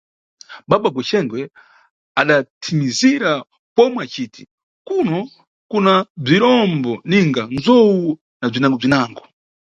Baba Gwexengwe adathimizira pomwe aciti: Kuno, kuna bzirombo ninga ndzowu na bzinangobzinango.